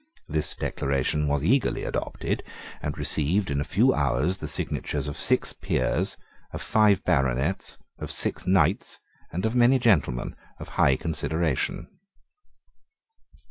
This Declaration was eagerly adopted, and received in a few hours the signatures of six peers, of five baronets, of six knights, and of many gentlemen of high consideration.